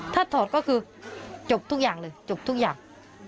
ถ้าถอดก็คือจบทุกอย่างเลยจบทุกอย่าง